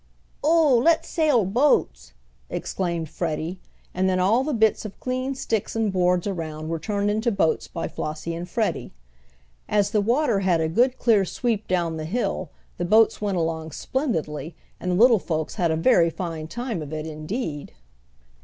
"Oh, let's sail boats!" exclaimed Freddie, and then all the bits of clean sticks and boards around were turned into boats by Flossie and Freddie. As the water had a good clear sweep down the hill the boats went along splendidly, and the little folks had a very fine time of it indeed.